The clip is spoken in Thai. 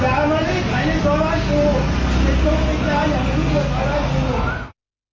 อย่ามารีดไถเงินคนไว้ทูมิตรงควัยสมัยอย่ามีรับส่วนไว้ทั้งอย่าง